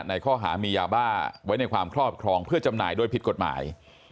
ในข้อหามียาบ้าไว้ในความครอบครองเพื่อจำหน่ายโดยผิดกฎหมาย